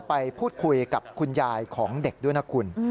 ไปพูดคุยกับคุณยายของเด็กด้วยนะคุณ